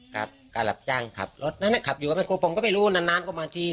การรับจ้างขับรถนั้นขับอยู่กับไมโครผมก็ไม่รู้นานนานก็มาที